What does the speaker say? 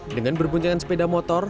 dengan berbuncangan sepeda motor